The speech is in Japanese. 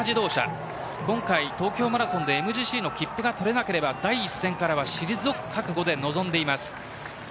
今回、東京マラソンでＭＧＣの切符が取れなければ第一線から退く覚悟で臨んでいます。